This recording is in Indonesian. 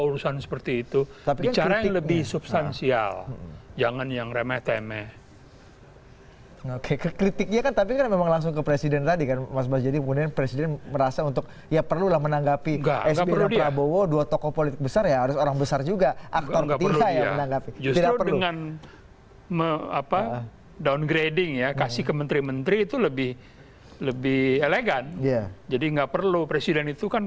dulu meminta mengikuti kok sekarang jadi berbeda